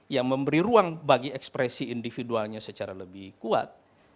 yang memberi ruang bagi ekspresi individualnya secara lebih kuat